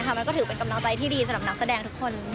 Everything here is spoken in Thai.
มันก็ถือเป็นกำลังใจที่ดีสำหรับนักแสดงทุกคน